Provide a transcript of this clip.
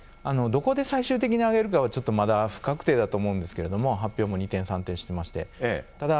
どこで最終的にあげるかはちょっとまだ不確定だと思うんですけれども、発表も二転三転してまして、ただ、